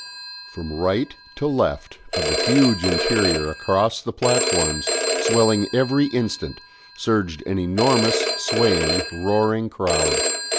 From right to left of the huge interior, across the platforms, swelling every instant, surged an enormous swaying, roaring crowd.